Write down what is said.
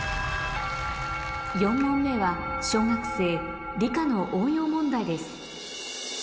４問目は小学生理科の応用問題です